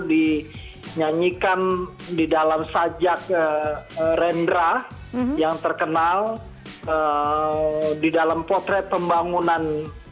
dinyanyikan di dalam sajak rendra yang terkenal di dalam potret pembangunan